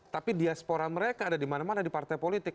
tapi diaspora mereka ada dimana mana di partai politik